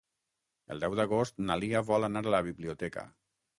El deu d'agost na Lia vol anar a la biblioteca.